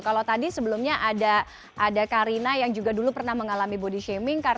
kalau tadi sebelumnya ada karina yang juga dulu pernah mengalami body shaming